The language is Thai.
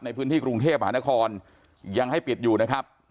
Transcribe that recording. ในพื้นที่กรุงเทพหานครยังให้ปิดอยู่นะครับ